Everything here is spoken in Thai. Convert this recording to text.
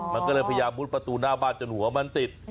มันก็เลยพยายามมุดประตูหน้าบ้านจนหัวมันติด